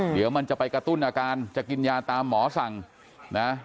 เดี๋ยวมันจะไปกระตุ้นอาการจะกินยาตามหมอสั่งนะ